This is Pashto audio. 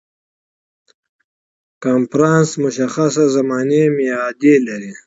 کنفرانس مشخص زماني معیاد لري.